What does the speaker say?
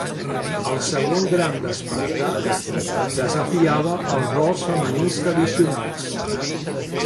El Segon Gran Despertar desafiava els rols femenins tradicionals.